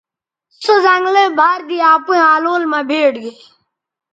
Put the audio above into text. سو زنگلئ بَھر دے اپئیں الول مہ بھیٹ گے